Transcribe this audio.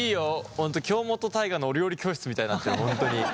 本当京本大我のお料理教室みたいになってる本当に。